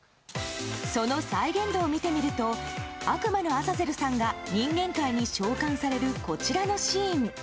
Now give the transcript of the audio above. その再現度を見てみると悪魔のアザゼルさんが人間界に召喚されるこちらのシーン。